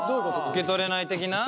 受け取れない的な？